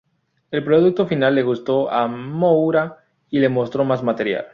El producto final le gustó a Moura y le mostró más material.